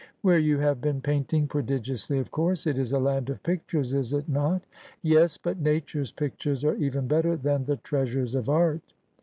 ' Where you have been painting prodigiously, of course. It is a land of pictures, is it not ?'' Yes ; but Nature's pictures are even better than the treasures of art.'